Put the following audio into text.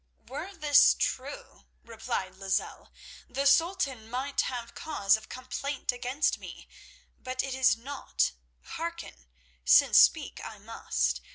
"Were this true," replied Lozelle, "the Sultan might have cause of complaint against me. But it is not true. Hearken, since speak I must.